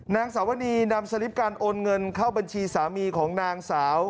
นางสาวนีนำสลิปการโอนเงินเข้าบัญชีสามีของนางสาว